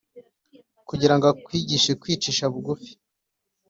kugira ngo akwigishe kwicisha bugufi,